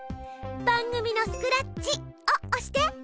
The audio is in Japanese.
「番組のスクラッチ」を押して。